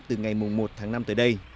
từ ngày một tháng năm tới đây